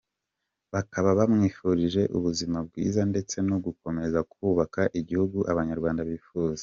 Bakaba bamwifurije ubuzima bwiza ndetse no gukomeza kubaka Igihugu Abanyarwanda bifuza.